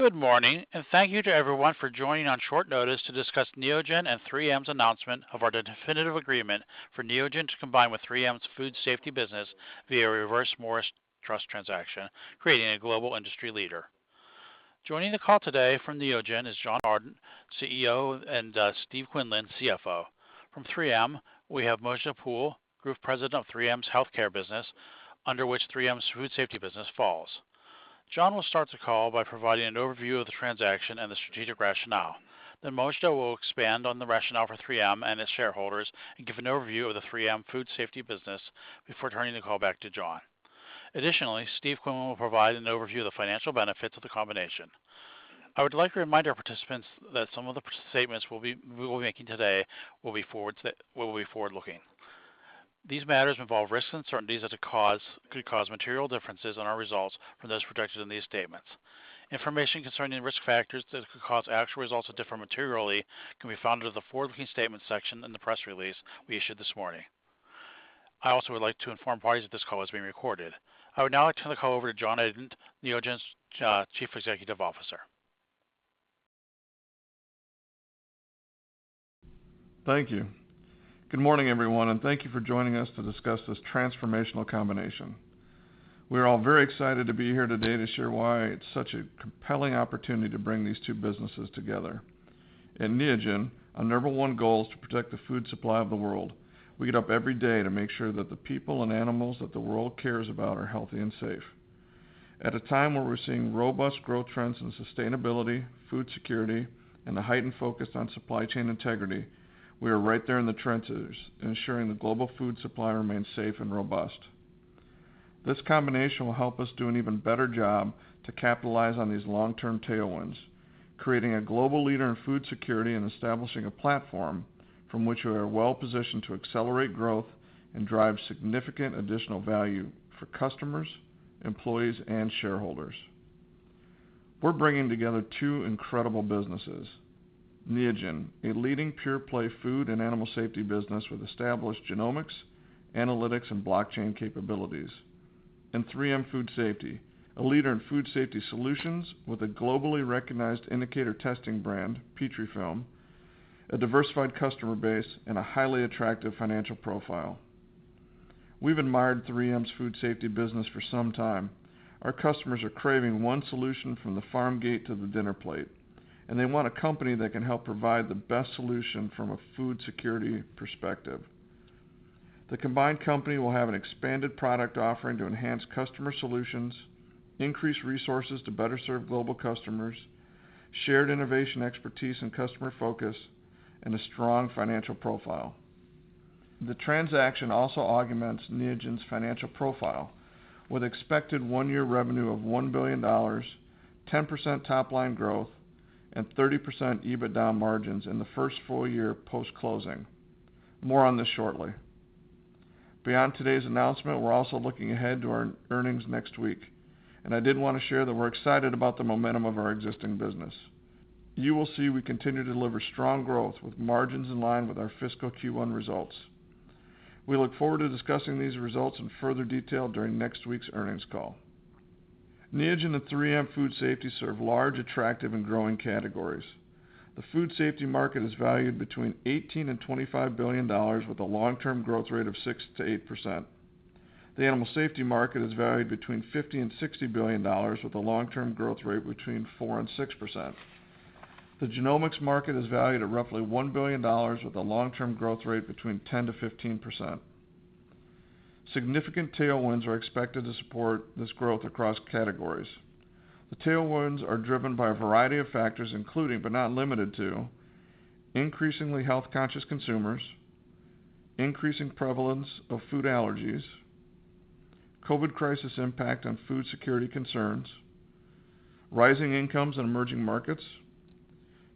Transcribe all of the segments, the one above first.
Good morning, and thank you to everyone for joining on short notice to discuss Neogen and 3M's announcement of our definitive agreement for Neogen to combine with 3M's Food Safety business via a Reverse Morris Trust transaction, creating a global industry leader. Joining the call today from Neogen is John Adent, CEO, and Steve Quinlan, CFO. From 3M, we have Mojdeh Poul, Group President of 3M's Health Care business, under which 3M's Food Safety business falls. John will start the call by providing an overview of the transaction and the strategic rationale. Then Mojdeh will expand on the rationale for 3M and its shareholders and give an overview of the 3M Food Safety business before turning the call back to John. Additionally, Steve Quinlan will provide an overview of the financial benefits of the combination. I would like to remind our participants that some of the statements we will be making today will be forward-looking. These matters involve risks and uncertainties that could cause material differences in our results from those projected in these statements. Information concerning risk factors that could cause actual results to differ materially can be found under the Forward-Looking Statements section in the press release we issued this morning. I also would like to inform parties that this call is being recorded. I would now like to turn the call over to John Adent, Neogen's Chief Executive Officer. Thank you. Good morning, everyone, and thank you for joining us to discuss this transformational combination. We are all very excited to be here today to share why it's such a compelling opportunity to bring these two businesses together. At Neogen, our number one goal is to protect the food supply of the world. We get up every day to make sure that the people and animals that the world cares about are healthy and safe. At a time where we're seeing robust growth trends in sustainability, food security, and a heightened focus on supply chain integrity, we are right there in the trenches, ensuring the global food supply remains safe and robust. This combination will help us do an even better job to capitalize on these long-term tailwinds, creating a global leader in food security and establishing a platform from which we are well-positioned to accelerate growth and drive significant additional value for customers, employees, and shareholders. We're bringing together two incredible businesses. Neogen, a leading pure play food and animal safety business with established genomics, analytics, and blockchain capabilities. 3M Food Safety, a leader in food safety solutions with a globally recognized indicator testing brand, Petrifilm, a diversified customer base, and a highly attractive financial profile. We've admired 3M's Food Safety business for some time. Our customers are craving one solution from the farm gate to the dinner plate, and they want a company that can help provide the best solution from a food security perspective. The combined company will have an expanded product offering to enhance customer solutions, increase resources to better serve global customers, shared innovation expertise and customer focus, and a strong financial profile. The transaction also augments Neogen's financial profile with expected one-year revenue of $1 billion, 10% top line growth, and 30% EBITDA margins in the first full year post-closing. More on this shortly. Beyond today's announcement, we're also looking ahead to our earnings next week, and I did want to share that we're excited about the momentum of our existing business. You will see we continue to deliver strong growth with margins in line with our fiscal Q1 results. We look forward to discussing these results in further detail during next week's earnings call. Neogen and 3M Food Safety serve large, attractive and growing categories. The food safety market is valued between $18 billion and $25 billion with a long-term growth rate of 6%-8%. The animal safety market is valued between $50 billion and $60 billion with a long-term growth rate between 4% and 6%. The genomics market is valued at roughly $1 billion with a long-term growth rate between 10% and 15%. Significant tailwinds are expected to support this growth across categories. The tailwinds are driven by a variety of factors, including, but not limited to, increasingly health-conscious consumers, increasing prevalence of food allergies, COVID crisis impact on food security concerns, rising incomes in emerging markets,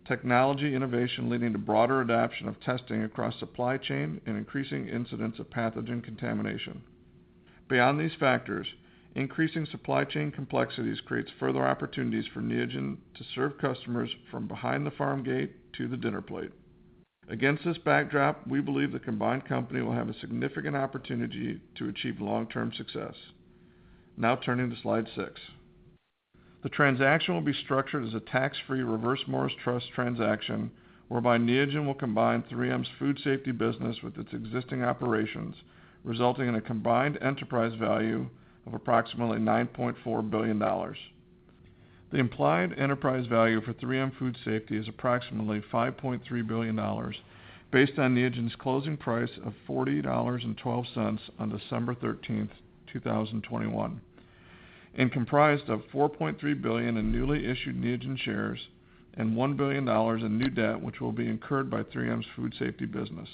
technology innovation leading to broader adoption of testing across supply chain, and increasing incidents of pathogen contamination. Beyond these factors, increasing supply chain complexities creates further opportunities for Neogen to serve customers from behind the farm gate to the dinner plate. Against this backdrop, we believe the combined company will have a significant opportunity to achieve long-term success. Now turning to slide six. The transaction will be structured as a tax-free Reverse Morris Trust transaction whereby Neogen will combine 3M's Food Safety business with its existing operations, resulting in a combined enterprise value of approximately $9.4 billion. The implied enterprise value for 3M Food Safety is approximately $5.3 billion based on Neogen's closing price of $40.12 on December 13th, 2021, and comprised of $4.3 billion in newly issued Neogen shares and $1 billion in new debt, which will be incurred by 3M's Food Safety business.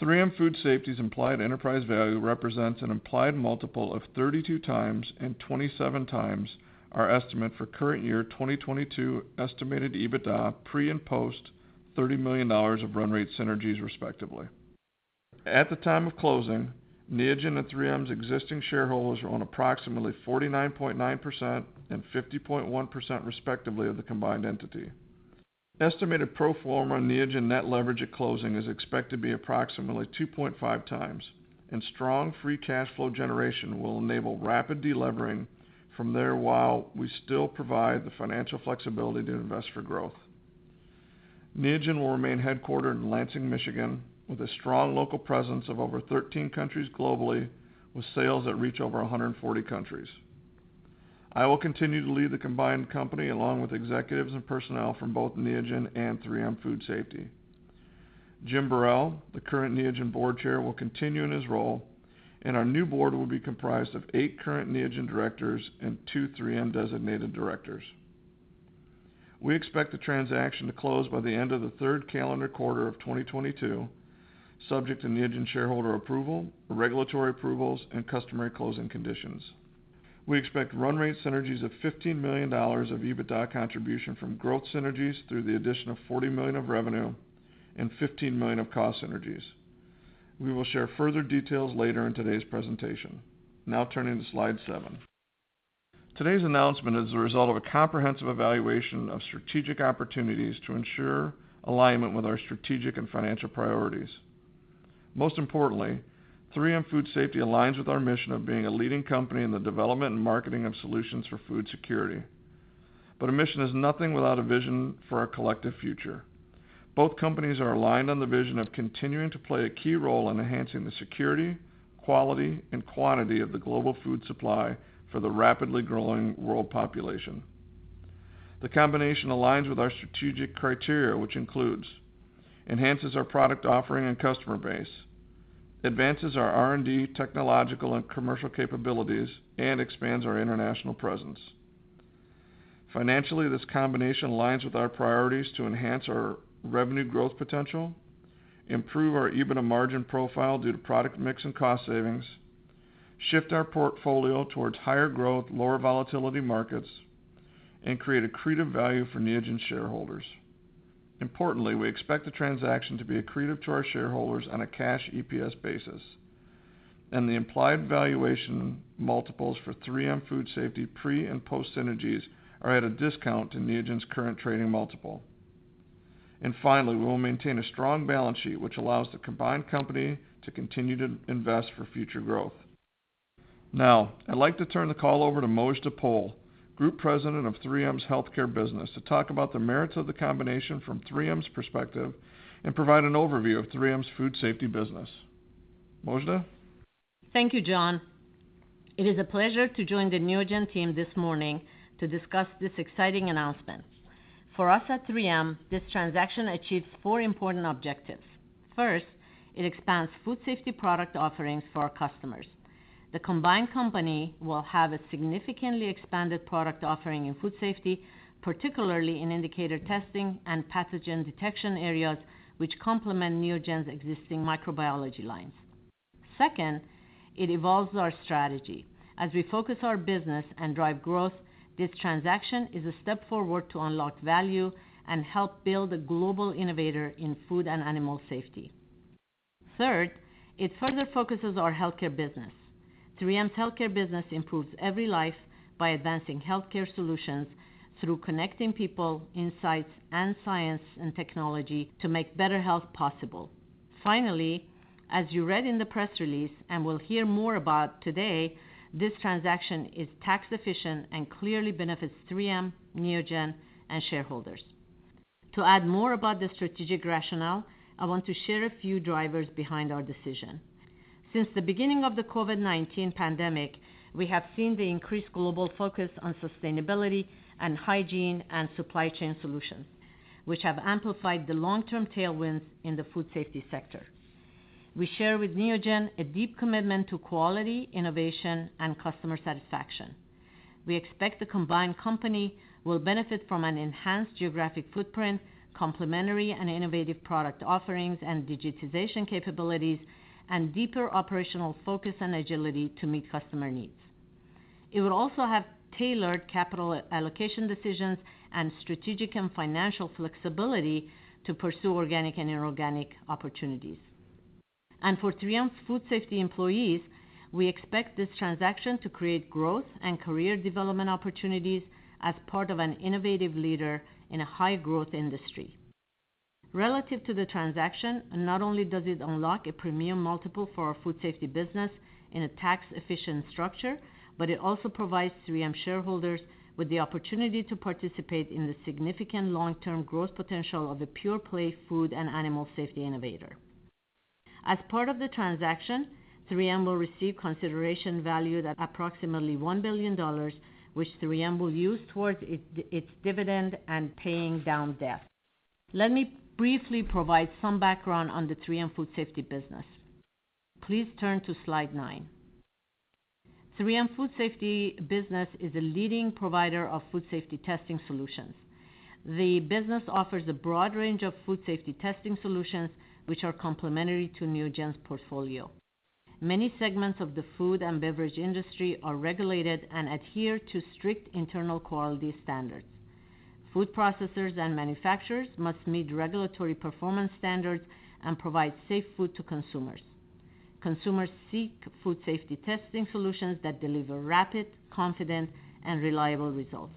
3M Food Safety's implied enterprise value represents an implied multiple of 32x and 27x our estimate for current year 2022 estimated EBITDA pre and post $30 million of run rate synergies, respectively. At the time of closing, Neogen and 3M's existing shareholders own approximately 49.9% and 50.1% respectively of the combined entity. Estimated pro forma Neogen net leverage at closing is expected to be approximately 2.5x, and strong free cash flow generation will enable rapid delevering from there, while we still provide the financial flexibility to invest for growth. Neogen will remain headquartered in Lansing, Michigan, with a strong local presence of over 13 countries globally, with sales that reach over 140 countries. I will continue to lead the combined company, along with executives and personnel from both Neogen and 3M Food Safety. Jim Borel, the current Neogen board chair, will continue in his role, and our new board will be comprised of eight current Neogen directors and two 3M-designated directors. We expect the transaction to close by the end of the third calendar quarter of 2022, subject to Neogen shareholder approval, regulatory approvals, and customary closing conditions. We expect run rate synergies of $15 million of EBITDA contribution from growth synergies through the addition of $40 million of revenue and $15 million of cost synergies. We will share further details later in today's presentation. Now turning to slide seven. Today's announcement is the result of a comprehensive evaluation of strategic opportunities to ensure alignment with our strategic and financial priorities. Most importantly, 3M Food Safety aligns with our mission of being a leading company in the development and marketing of solutions for food security. A mission is nothing without a vision for our collective future. Both companies are aligned on the vision of continuing to play a key role in enhancing the security, quality, and quantity of the global food supply for the rapidly growing world population. The combination aligns with our strategic criteria, which includes enhancing our product offering and customer base, advancing our R&D, technological, and commercial capabilities, and expanding our international presence. Financially, this combination aligns with our priorities to enhance our revenue growth potential, improve our EBITDA margin profile due to product mix and cost savings, shift our portfolio towards higher growth, lower volatility markets, and create accretive value for Neogen shareholders. Importantly, we expect the transaction to be accretive to our shareholders on a cash EPS basis, and the implied valuation multiples for 3M Food Safety pre- and post-synergies are at a discount to Neogen's current trading multiple. Finally, we will maintain a strong balance sheet, which allows the combined company to continue to invest for future growth. Now, I'd like to turn the call over to Mojdeh Poul, Group President of 3M's Health Care business, to talk about the merits of the combination from 3M's perspective and provide an overview of 3M's Food Safety business. Mojdeh? Thank you, John. It is a pleasure to join the Neogen team this morning to discuss this exciting announcement. For us at 3M, this transaction achieves four important objectives. First, it expands food safety product offerings for our customers. The combined company will have a significantly expanded product offering in food safety, particularly in indicator testing and pathogen detection areas, which complement Neogen's existing microbiology lines. Second, it evolves our strategy. As we focus our business and drive growth, this transaction is a step forward to unlock value and help build a global innovator in food and animal safety. Third, it further focuses our healthcare business. 3M's healthcare business improves every life by advancing healthcare solutions through connecting people, insights, and science and technology to make better health possible. Finally, as you read in the press release, and will hear more about today, this transaction is tax efficient and clearly benefits 3M, Neogen, and shareholders. To add more about the strategic rationale, I want to share a few drivers behind our decision. Since the beginning of the COVID-19 pandemic, we have seen the increased global focus on sustainability and hygiene and supply chain solutions, which have amplified the long-term tailwinds in the food safety sector. We share with Neogen a deep commitment to quality, innovation, and customer satisfaction. We expect the combined company will benefit from an enhanced geographic footprint, complementary and innovative product offerings, and digitization capabilities, and deeper operational focus and agility to meet customer needs. It will also have tailored capital allocation decisions and strategic and financial flexibility to pursue organic and inorganic opportunities. For 3M Food Safety employees, we expect this transaction to create growth and career development opportunities as part of an innovative leader in a high-growth industry. Relative to the transaction, not only does it unlock a premium multiple for our Food Safety business in a tax-efficient structure, but it also provides 3M shareholders with the opportunity to participate in the significant long-term growth potential of a pure-play food and animal safety innovator. As part of the transaction, 3M will receive consideration valued at approximately $1 billion, which 3M will use towards its dividend and paying down debt. Let me briefly provide some background on the 3M Food Safety business. Please turn to slide nine. The 3M Food Safety business is a leading provider of food safety testing solutions. The business offers a broad range of food safety testing solutions, which are complementary to Neogen's portfolio. Many segments of the food and beverage industry are regulated and adhere to strict internal quality standards. Food processors and manufacturers must meet regulatory performance standards and provide safe food to consumers. Consumers seek food safety testing solutions that deliver rapid, confident, and reliable results.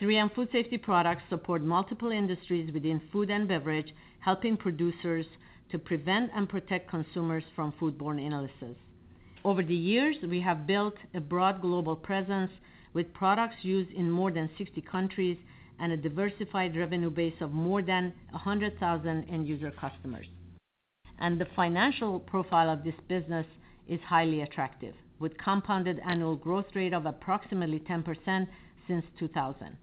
3M Food Safety products support multiple industries within food and beverage, helping producers to prevent and protect consumers from foodborne illnesses. Over the years, we have built a broad global presence with products used in more than 60 countries and a diversified revenue base of more than 100,000 end user customers. The financial profile of this business is highly attractive with compounded annual growth rate of approximately 10% since 2000.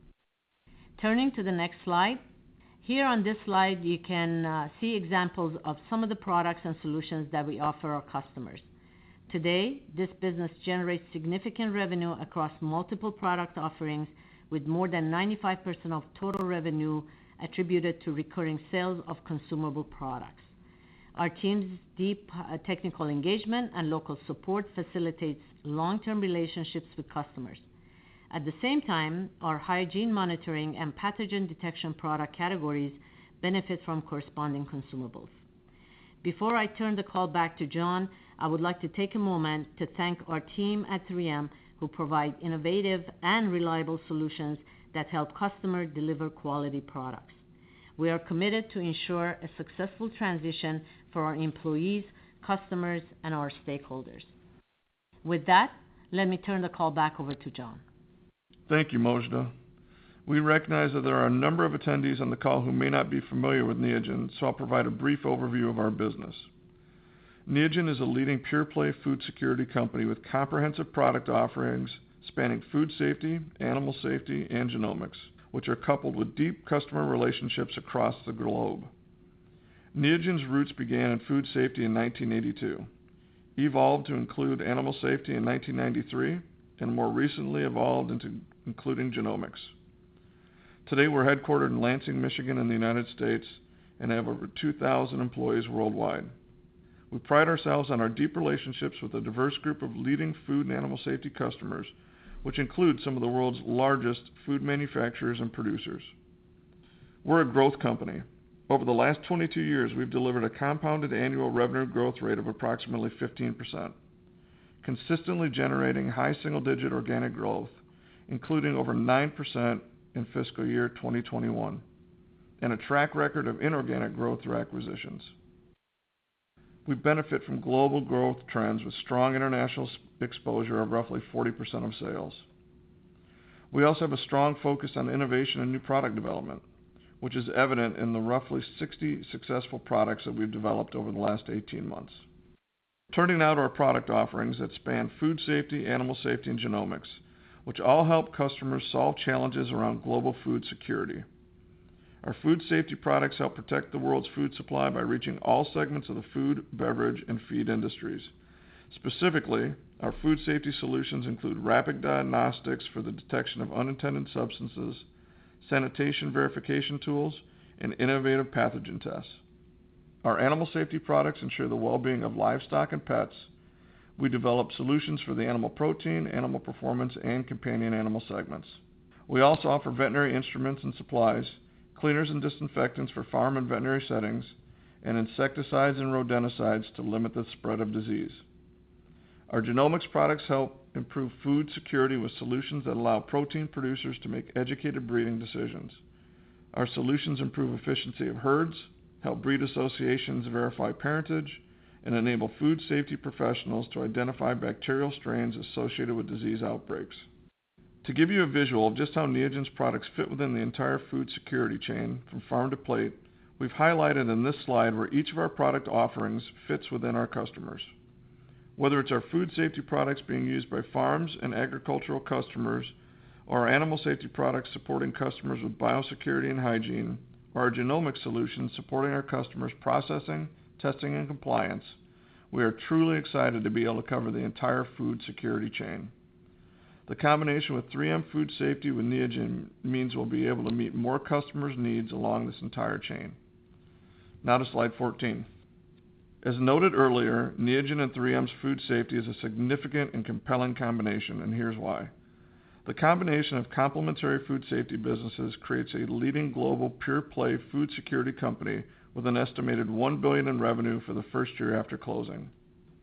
Turning to the next slide. Here on this slide, you can see examples of some of the products and solutions that we offer our customers. Today, this business generates significant revenue across multiple product offerings with more than 95% of total revenue attributed to recurring sales of consumable products. Our team's deep technical engagement and local support facilitates long-term relationships with customers. At the same time, our hygiene monitoring and pathogen detection product categories benefit from corresponding consumables. Before I turn the call back to John, I would like to take a moment to thank our team at 3M who provide innovative and reliable solutions that help customers deliver quality products. We are committed to ensure a successful transition for our employees, customers, and our stakeholders. With that, let me turn the call back over to John. Thank you, Mojdeh. We recognize that there are a number of attendees on the call who may not be familiar with Neogen, so I'll provide a brief overview of our business. Neogen is a leading pure-play food safety company with comprehensive product offerings spanning food safety, animal safety, and genomics, which are coupled with deep customer relationships across the globe. Neogen's roots began in food safety in 1982, evolved to include animal safety in 1993, and more recently evolved into including genomics. Today, we're headquartered in Lansing, Michigan, in the United States, and have over 2,000 employees worldwide. We pride ourselves on our deep relationships with a diverse group of leading food and animal safety customers, which include some of the world's largest food manufacturers and producers. We're a growth company. Over the last 22 years, we've delivered a compounded annual revenue growth rate of approximately 15%, consistently generating high single-digit organic growth, including over 9% in fiscal year 2021, and a track record of inorganic growth through acquisitions. We benefit from global growth trends with strong international exposure of roughly 40% of sales. We also have a strong focus on innovation and new product development, which is evident in the roughly 60 successful products that we've developed over the last 18 months. Turning now to our product offerings that span food safety, animal safety, and genomics, which all help customers solve challenges around global food security. Our food safety products help protect the world's food supply by reaching all segments of the food, beverage, and feed industries. Specifically, our food safety solutions include rapid diagnostics for the detection of unintended substances, sanitation verification tools, and innovative pathogen tests. Our animal safety products ensure the well-being of livestock and pets. We develop solutions for the animal protein, animal performance, and companion animal segments. We also offer veterinary instruments and supplies, cleaners and disinfectants for farm and veterinary settings, and insecticides and rodenticides to limit the spread of disease. Our genomics products help improve food security with solutions that allow protein producers to make educated breeding decisions. Our solutions improve efficiency of herds, help breed associations verify parentage, and enable food safety professionals to identify bacterial strains associated with disease outbreaks. To give you a visual of just how Neogen's products fit within the entire food security chain from farm to plate, we've highlighted in this slide where each of our product offerings fits within our customers. Whether it's our food safety products being used by farms and agricultural customers, or our animal safety products supporting customers with biosecurity and hygiene, or our genomic solutions supporting our customers' processing, testing, and compliance, we are truly excited to be able to cover the entire food security chain. The combination with 3M Food Safety with Neogen means we'll be able to meet more customers' needs along this entire chain. Now to slide 14. As noted earlier, Neogen and 3M's Food Safety is a significant and compelling combination, and here's why. The combination of complementary food safety businesses creates a leading global pure-play food security company with an estimated $1 billion in revenue for the first year after closing.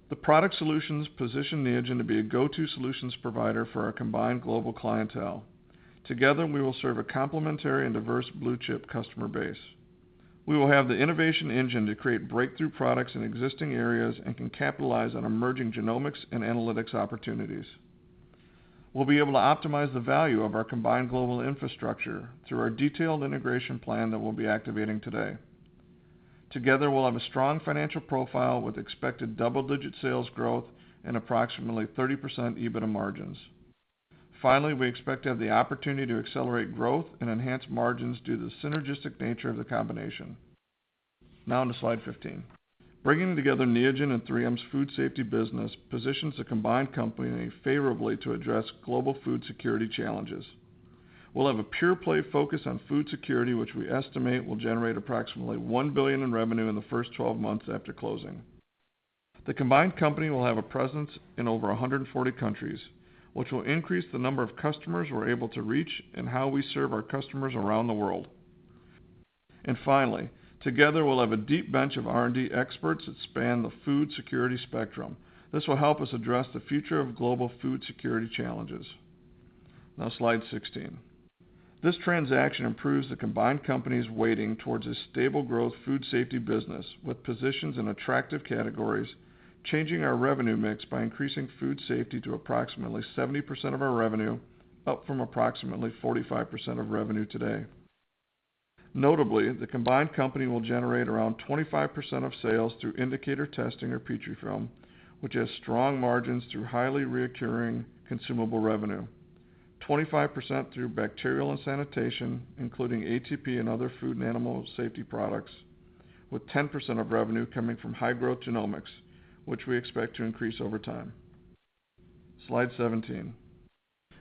The product solutions position Neogen to be a go-to solutions provider for our combined global clientele. Together, we will serve a complementary and diverse blue-chip customer base. We will have the innovation engine to create breakthrough products in existing areas and can capitalize on emerging genomics and analytics opportunities. We'll be able to optimize the value of our combined global infrastructure through our detailed integration plan that we'll be activating today. Together, we'll have a strong financial profile with expected double-digit sales growth and approximately 30% EBITDA margins. Finally, we expect to have the opportunity to accelerate growth and enhance margins due to the synergistic nature of the combination. Now on to slide 15. Bringing together Neogen and 3M's Food Safety business positions the combined company favorably to address global food security challenges. We'll have a pure-play focus on food security, which we estimate will generate approximately $1 billion in revenue in the first 12 months after closing. The combined company will have a presence in over 140 countries, which will increase the number of customers we're able to reach and how we serve our customers around the world. Finally, together, we'll have a deep bench of R&D experts that span the food security spectrum. This will help us address the future of global food security challenges. Now, Slide 16. This transaction improves the combined company's weighting towards a stable growth food safety business, with positions in attractive categories, changing our revenue mix by increasing food safety to approximately 70% of our revenue, up from approximately 45% of revenue today. Notably, the combined company will generate around 25% of sales through indicator testing or Petrifilm, which has strong margins through highly reoccurring consumable revenue. 25% through bacterial and sanitation, including ATP and other food and animal safety products, with 10% of revenue coming from high-growth genomics, which we expect to increase over time. Slide 17.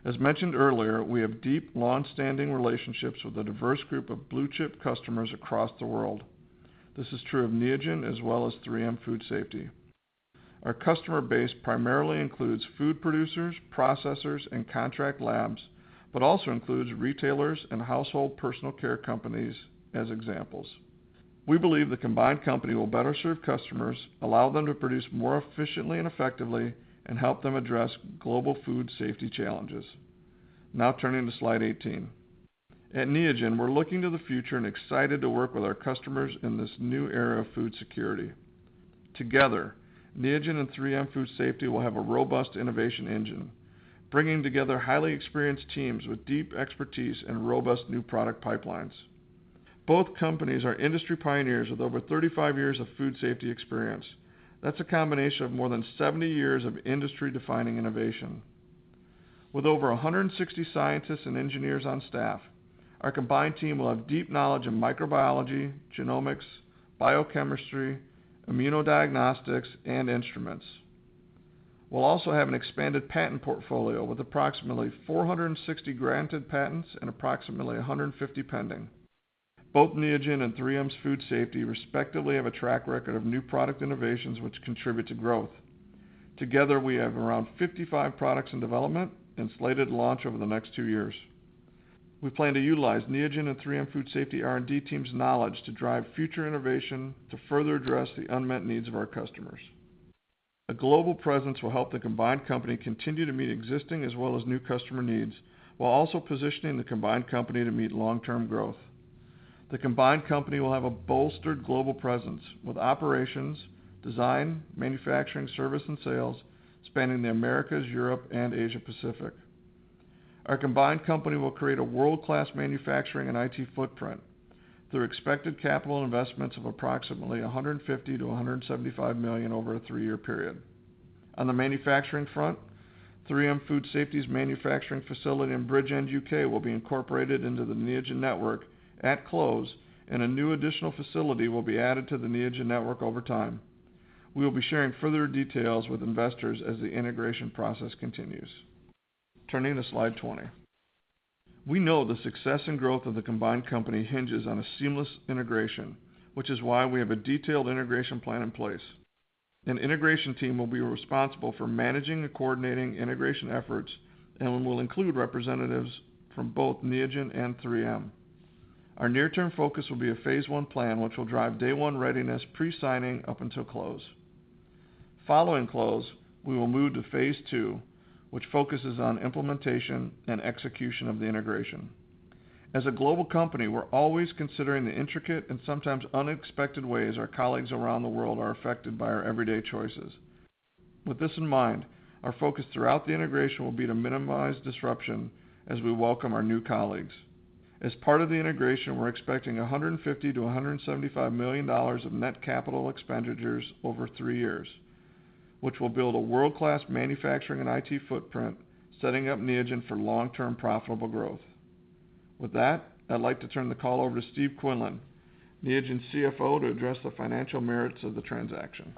As mentioned earlier, we have deep, long-standing relationships with a diverse group of blue-chip customers across the world. This is true of Neogen as well as 3M Food Safety. Our customer base primarily includes food producers, processors, and contract labs, but also includes retailers and household personal care companies as examples. We believe the combined company will better serve customers, allow them to produce more efficiently and effectively, and help them address global food safety challenges. Now turning to Slide 18. At Neogen, we're looking to the future and excited to work with our customers in this new era of food security. Together, Neogen and 3M Food Safety will have a robust innovation engine, bringing together highly experienced teams with deep expertise and robust new product pipelines. Both companies are industry pioneers with over 35 years of food safety experience. That's a combination of more than 70 years of industry-defining innovation. With over 160 scientists and engineers on staff, our combined team will have deep knowledge of microbiology, genomics, biochemistry, immunodiagnostics, and instruments. We'll also have an expanded patent portfolio with approximately 460 granted patents and approximately 150 pending. Both Neogen and 3M's Food Safety respectively have a track record of new product innovations which contribute to growth. Together, we have around 55 products in development and slated to launch over the next two years. We plan to utilize Neogen and 3M Food Safety R&D team's knowledge to drive future innovation to further address the unmet needs of our customers. A global presence will help the combined company continue to meet existing as well as new customer needs, while also positioning the combined company to meet long-term growth. The combined company will have a bolstered global presence with operations, design, manufacturing, service, and sales spanning the Americas, Europe, and Asia Pacific. Our combined company will create a world-class manufacturing and IT footprint through expected capital investments of approximately $150 million-$175 million over a three-year period. On the manufacturing front, 3M Food Safety's manufacturing facility in Bridgend, U.K. will be incorporated into the Neogen network at close, and a new additional facility will be added to the Neogen network over time. We will be sharing further details with investors as the integration process continues. Turning to slide 20. We know the success and growth of the combined company hinges on a seamless integration, which is why we have a detailed integration plan in place. An integration team will be responsible for managing and coordinating integration efforts and will include representatives from both Neogen and 3M. Our near-term focus will be a phase I plan, which will drive day one readiness pre-signing up until close. Following close, we will move to phase II, which focuses on implementation and execution of the integration. As a global company, we're always considering the intricate and sometimes unexpected ways our colleagues around the world are affected by our everyday choices. With this in mind, our focus throughout the integration will be to minimize disruption as we welcome our new colleagues. As part of the integration, we're expecting $150 million-$175 million of net capital expenditures over three years, which will build a world-class manufacturing and IT footprint, setting up Neogen for long-term profitable growth. With that, I'd like to turn the call over to Steve Quinlan, Neogen's CFO, to address the financial merits of the transaction.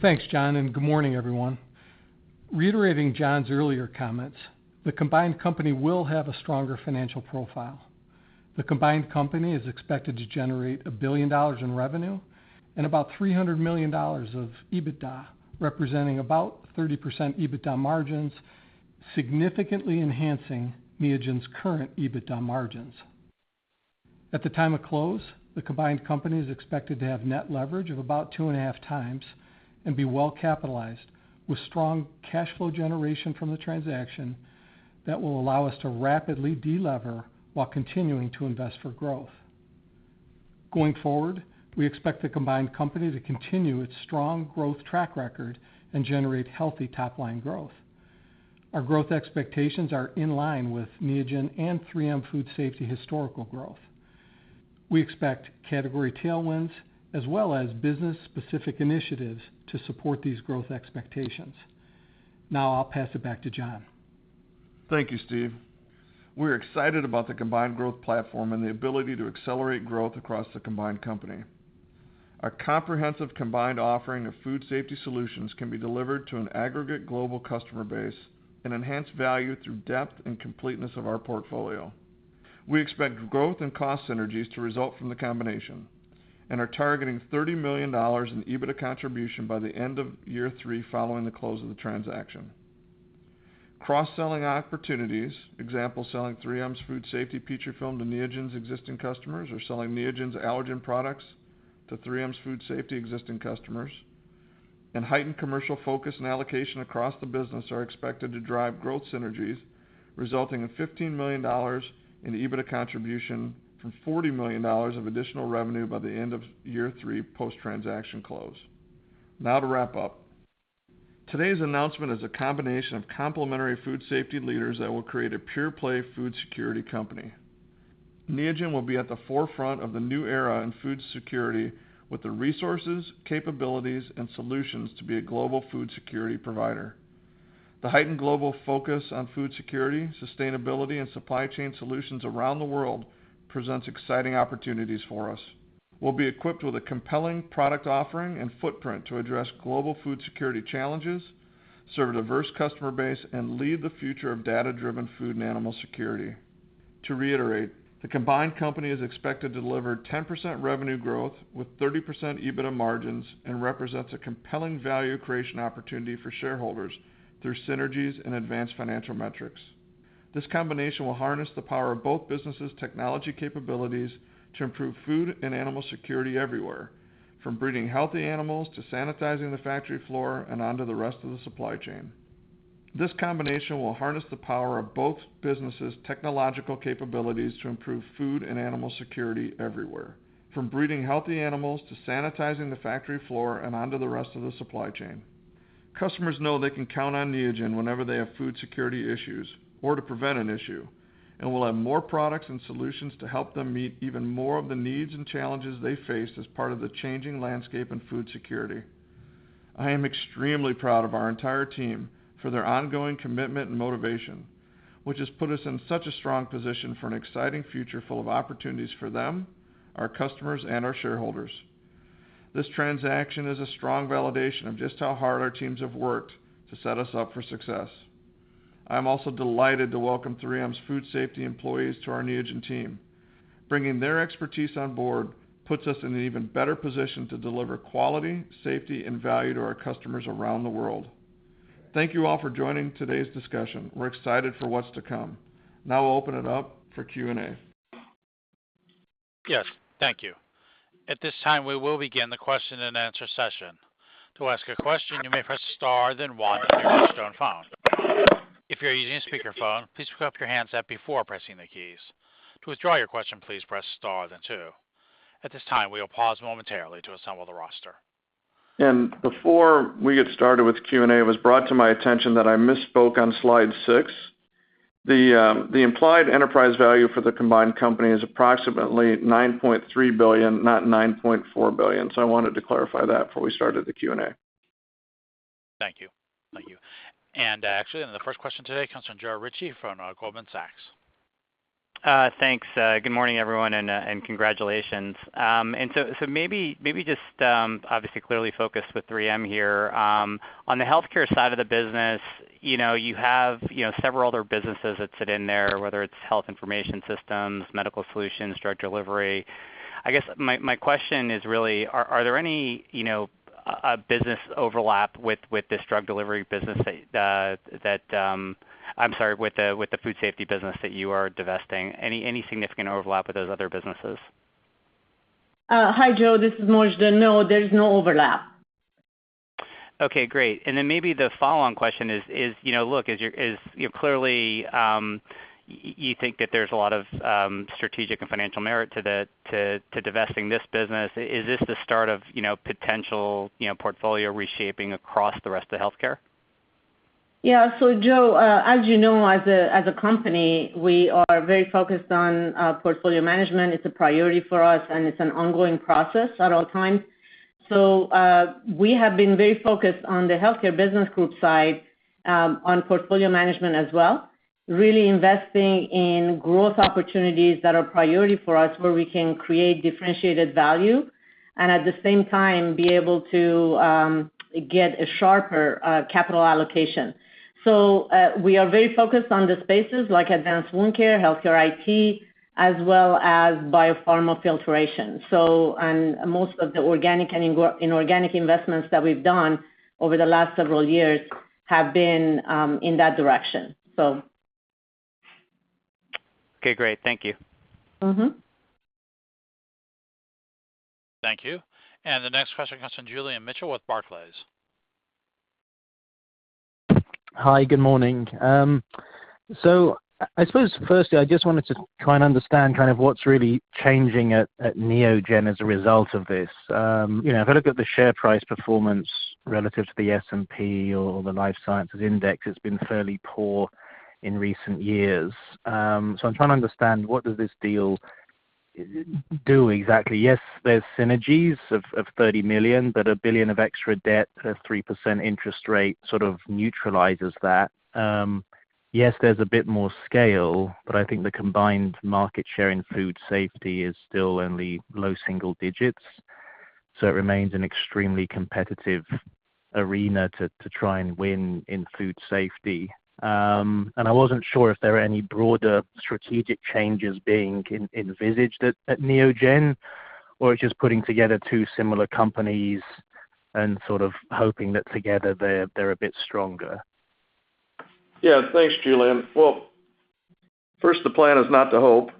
Thanks, John, and good morning, everyone. Reiterating John's earlier comments, the combined company will have a stronger financial profile. The combined company is expected to generate $1 billion in revenue and about $300 million of EBITDA, representing about 30% EBITDA margins, significantly enhancing Neogen's current EBITDA margins. At the time of close, the combined company is expected to have net leverage of about 2.5x and be well capitalized with strong cash flow generation from the transaction that will allow us to rapidly de-lever while continuing to invest for growth. Going forward, we expect the combined company to continue its strong growth track record and generate healthy top-line growth. Our growth expectations are in line with Neogen and 3M Food Safety historical growth. We expect category tailwinds as well as business-specific initiatives to support these growth expectations. Now I'll pass it back to John. Thank you, Steve. We're excited about the combined growth platform and the ability to accelerate growth across the combined company. Our comprehensive combined offering of food safety solutions can be delivered to an aggregate global customer base and enhance value through depth and completeness of our portfolio. We expect growth and cost synergies to result from the combination and are targeting $30 million in EBITDA contribution by the end of year three following the close of the transaction. Cross-selling opportunities, example, selling 3M Food Safety's Petrifilm to Neogen's existing customers or selling Neogen's allergen products to 3M Food Safety's existing customers. Heightened commercial focus and allocation across the business are expected to drive growth synergies, resulting in $15 million in EBITDA contribution from $40 million of additional revenue by the end of year three post-transaction close. Now to wrap up. Today's announcement is a combination of complementary food safety leaders that will create a pure-play food security company. Neogen will be at the forefront of the new era in food security with the resources, capabilities, and solutions to be a global food security provider. The heightened global focus on food security, sustainability, and supply chain solutions around the world presents exciting opportunities for us. We'll be equipped with a compelling product offering and footprint to address global food security challenges, serve a diverse customer base, and lead the future of data-driven food and animal security. To reiterate, the combined company is expected to deliver 10% revenue growth with 30% EBITDA margins and represents a compelling value creation opportunity for shareholders through synergies and advanced financial metrics. This combination will harness the power of both businesses' technology capabilities to improve food and animal security everywhere, from breeding healthy animals to sanitizing the factory floor and onto the rest of the supply chain. Customers know they can count on Neogen whenever they have food security issues or to prevent an issue. We'll have more products and solutions to help them meet even more of the needs and challenges they face as part of the changing landscape in food security. I am extremely proud of our entire team for their ongoing commitment and motivation, which has put us in such a strong position for an exciting future full of opportunities for them, our customers, and our shareholders. This transaction is a strong validation of just how hard our teams have worked to set us up for success. I'm also delighted to welcome 3M's Food Safety employees to our Neogen team. Bringing their expertise on board puts us in an even better position to deliver quality, safety, and value to our customers around the world. Thank you all for joining today's discussion. We're excited for what's to come. Now I'll open it up for Q&A. Yes. Thank you. At this time, we will begin the question and answer session. To ask a question, you may press star then one on your touchtone phone. If you're using a speakerphone, please pick up your handset before pressing the keys. To withdraw your question, please press star then two. At this time, we will pause momentarily to assemble the roster. Before we get started with Q&A, it was brought to my attention that I misspoke on slide six. The implied enterprise value for the combined company is approximately $9.3 billion, not $9.4 billion. I wanted to clarify that before we started the Q&A. Thank you. Actually, the first question today comes from Joe Ritchie from Goldman Sachs. Thanks. Good morning, everyone, and congratulations. Maybe just obviously clearly focused with 3M here. On the Health Care side of the business, you know, you have, you know, several other businesses that sit in there, whether it's health information systems, medical solutions, drug delivery. I guess my question is really, are there any, you know, a business overlap with the food safety business that you are divesting? Any significant overlap with those other businesses? Hi, Joe. This is Mojdeh. No, there's no overlap. Okay, great. Then maybe the follow-on question is, you know, look, you know, clearly, you think that there's a lot of strategic and financial merit to the divesting this business. Is this the start of, you know, potential, you know, portfolio reshaping across the rest of healthcare? Yeah. Joe, as you know, as a company, we are very focused on portfolio management. It's a priority for us, and it's an ongoing process at all times. We have been very focused on the healthcare business group side on portfolio management as well, really investing in growth opportunities that are priority for us, where we can create differentiated value and at the same time, be able to get a sharper capital allocation. We are very focused on the spaces like advanced wound care, healthcare IT, as well as biopharma filtration, and most of the organic and inorganic investments that we've done over the last several years have been in that direction. Okay, great. Thank you. Mm-hmm. Thank you. The next question comes from Julian Mitchell with Barclays. Hi, good morning. I suppose firstly, I just wanted to try and understand kind of what's really changing at Neogen as a result of this. You know, if I look at the share price performance relative to the S&P or the life sciences index, it's been fairly poor in recent years. I'm trying to understand what does this deal do exactly? Yes, there's synergies of $30 million, but $1 billion of extra debt at a 3% interest rate sort of neutralizes that. Yes, there's a bit more scale, but I think the combined market share in food safety is still only low single digits. It remains an extremely competitive arena to try and win in food safety. I wasn't sure if there are any broader strategic changes being envisaged at Neogen, or it's just putting together two similar companies and sort of hoping that together they're a bit stronger. Yeah, thanks Julian. Well, first, the plan is not to hope.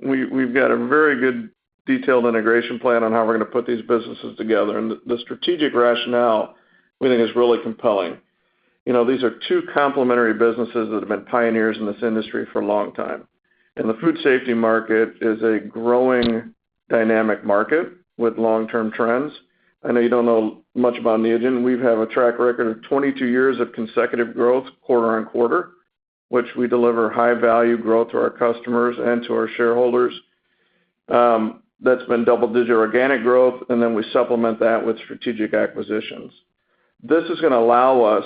We've got a very good detailed integration plan on how we're gonna put these businesses together, and the strategic rationale we think is really compelling. You know, these are two complementary businesses that have been pioneers in this industry for a long time. The food safety market is a growing dynamic market with long-term trends. I know you don't know much about Neogen. We've a track record of 22 years of consecutive growth quarter-over-quarter, which we deliver high value growth to our customers and to our shareholders. That's been double digit organic growth, and then we supplement that with strategic acquisitions. This is gonna allow us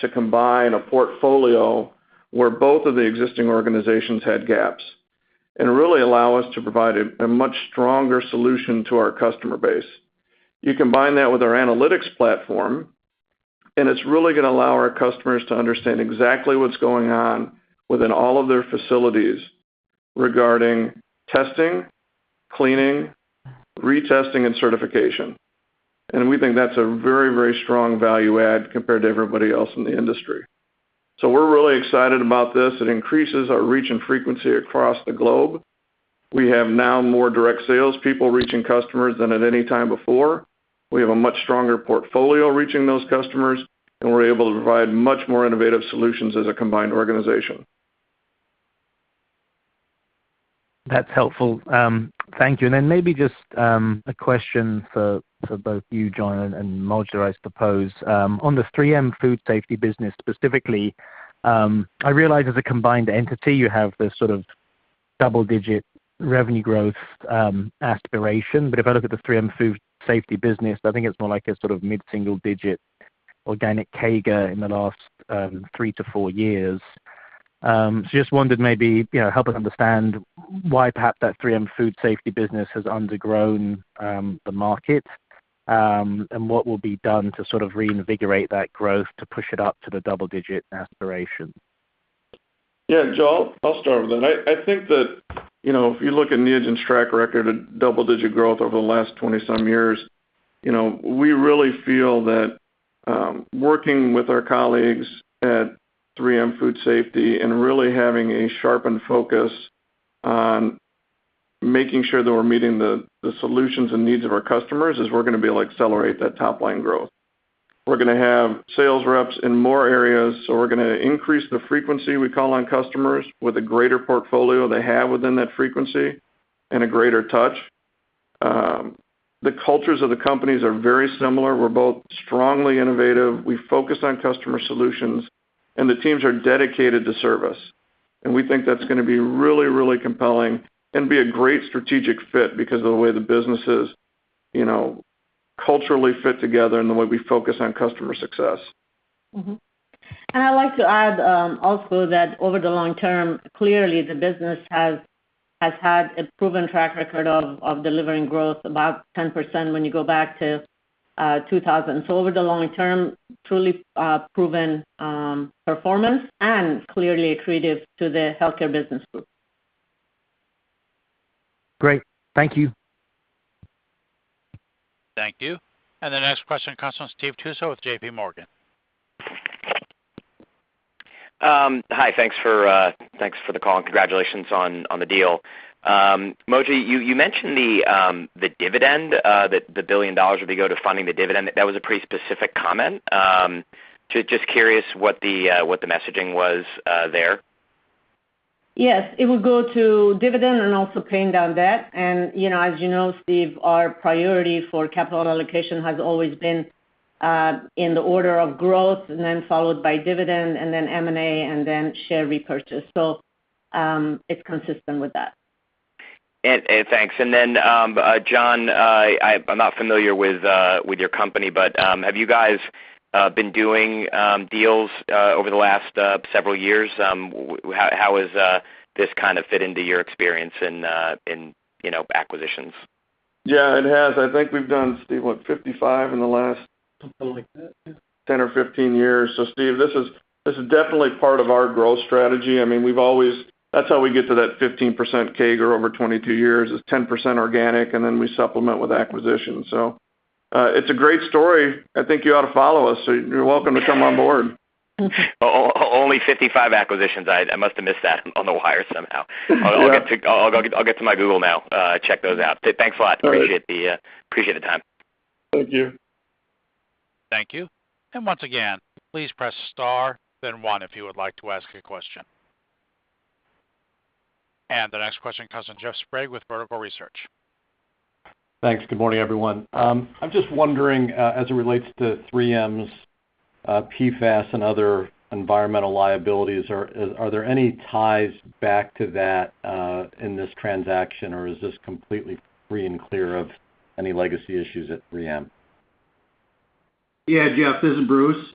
to combine a portfolio where both of the existing organizations had gaps, and really allow us to provide a much stronger solution to our customer base. You combine that with our analytics platform, and it's really gonna allow our customers to understand exactly what's going on within all of their facilities regarding testing, cleaning, retesting and certification. We think that's a very, very strong value add compared to everybody else in the industry. We're really excited about this. It increases our reach and frequency across the globe. We have now more direct sales people reaching customers than at any time before. We have a much stronger portfolio reaching those customers, and we're able to provide much more innovative solutions as a combined organization. That's helpful. Thank you. Maybe just a question for both you, John, and Mojdeh, I suppose. On the 3M Food Safety business specifically, I realize as a combined entity you have this sort of double-digit revenue growth aspiration. If I look at the 3M Food Safety business, I think it's more like a sort of mid-single-digit organic CAGR in the last three-four years. Just wondered, maybe, you know, help us understand why perhaps that 3M Food Safety business has undergrown the market, and what will be done to sort of reinvigorate that growth to push it up to the double-digit aspiration. Yeah, Joe, I'll start with that. I think that, you know, if you look at Neogen's track record of double-digit growth over the last 20-some years, you know, we really feel that, working with our colleagues at 3M Food Safety and really having a sharpened focus on making sure that we're meeting the solutions and needs of our customers, is we're gonna be able to accelerate that top-line growth. We're gonna have sales reps in more areas, so we're gonna increase the frequency we call on customers with a greater portfolio they have within that frequency and a greater touch. The cultures of the companies are very similar. We're both strongly innovative. We focus on customer solutions, and the teams are dedicated to service. We think that's gonna be really, really compelling and be a great strategic fit because of the way the businesses, you know, culturally fit together and the way we focus on customer success. I'd like to add also that over the long term, clearly the business has had a proven track record of delivering growth about 10% when you go back to 2000. Over the long term, truly proven performance and clearly accretive to the healthcare business group. Great. Thank you. Thank you. The next question comes from Steve Tusa with JPMorgan. Hi. Thanks for the call, and congratulations on the deal. Mojdeh, you mentioned the dividend that $1 billion would go to funding the dividend. That was a pretty specific comment. Just curious what the messaging was there. Yes, it would go to dividend and also paying down debt. You know, as you know, Steve, our priority for capital allocation has always been in the order of growth and then followed by dividend and then M&A, and then share repurchase. It's consistent with that. Thanks. John, I'm not familiar with your company, but have you guys been doing deals over the last several years? How has this kind of fit into your experience in, you know, acquisitions? Yeah, it has. I think we've done, Steve, what, 55 in the last- Something like that, yeah. Ten or 15 years. Steve, this is definitely part of our growth strategy. I mean, we've always. That's how we get to that 15% CAGR over 22 years. It's 10% organic, and then we supplement with acquisitions. It's a great story. I think you ought to follow us. You're welcome to come on board. Only 55 acquisitions. I must have missed that on the wire somehow. Yeah. I'll get to my Google now, check those out. Thanks a lot. Great. Appreciate the time. Thank you. Thank you. Once again, please press star then one if you would like to ask a question. The next question comes from Jeff Sprague with Vertical Research. Thanks. Good morning, everyone. I'm just wondering, as it relates to 3M's PFAS and other environmental liabilities, are there any ties back to that in this transaction, or is this completely free and clear of any legacy issues at 3M? Yeah, Jeff, this is Bruce.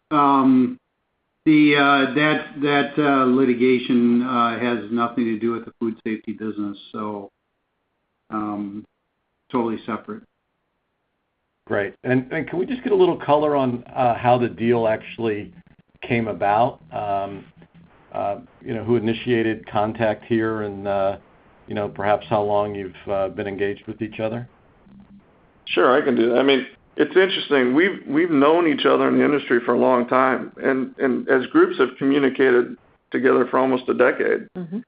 That litigation has nothing to do with the food safety business, so totally separate. Great. Can we just get a little color on how the deal actually came about? You know, who initiated contact here and, you know, perhaps how long you've been engaged with each other? Sure, I can do that. I mean, it's interesting. We've known each other in the industry for a long time, and as groups have communicated together for almost a decade. Mm-hmm.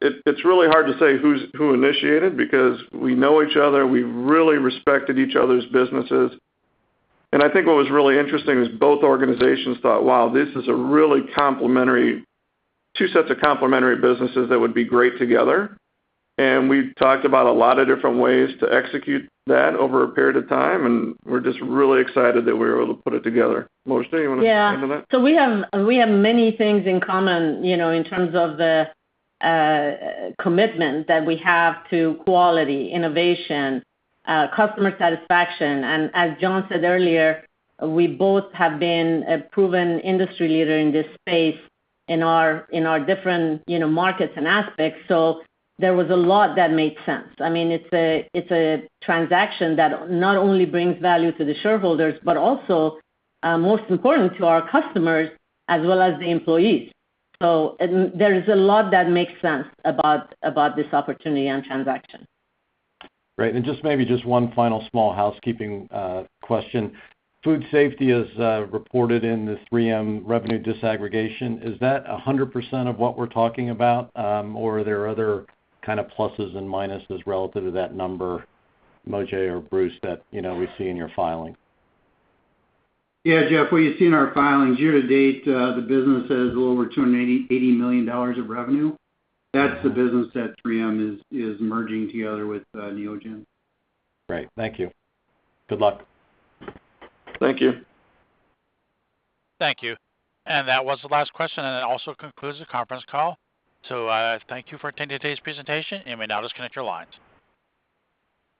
It's really hard to say who initiated, because we know each other, we really respected each other's businesses. I think what was really interesting was both organizations thought, "Wow, this is a really complementary two sets of complementary businesses that would be great together." We've talked about a lot of different ways to execute that over a period of time, and we're just really excited that we were able to put it together. Mojdeh, you wanna add to that? Yeah. We have many things in common, you know, in terms of the commitment that we have to quality, innovation, customer satisfaction. As John said earlier, we both have been a proven industry leader in this space in our different, you know, markets and aspects. There was a lot that made sense. I mean, it's a transaction that not only brings value to the shareholders, but also, most important to our customers as well as the employees. There is a lot that makes sense about this opportunity and transaction. Great. Just maybe one final small housekeeping question. Food safety is reported in the 3M revenue disaggregation. Is that 100% of what we're talking about? Or are there other kind of pluses and minuses relative to that number, Mojdeh or Bruce, that, you know, we see in your filing? Yeah, Jeff, what you see in our filings, year to date, the business has a little over $280 million of revenue. That's the business that 3M is merging together with Neogen. Great. Thank you. Good luck. Thank you. Thank you. That was the last question, and it also concludes the conference call. Thank you for attending today's presentation. You may now disconnect your lines.